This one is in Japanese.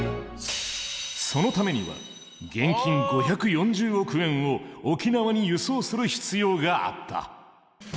そのためには現金５４０億円を沖縄に輸送する必要があった。